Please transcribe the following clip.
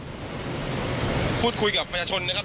ก็หล่อถึงพูดคุยกับประชาชนนะครับ